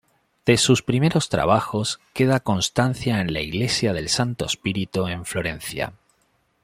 De sus primeros trabajos queda constancia en la Iglesia del Santo Spirito en Florencia.